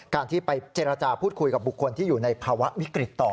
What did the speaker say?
การที่ไปเจรจาพูดคุยกับบุคคลที่อยู่ในภาวะวิกฤตต่อ